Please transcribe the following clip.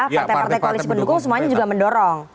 partai partai koalisi pendukung semuanya juga mendorong